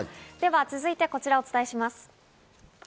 続いてはこちらをお伝えします。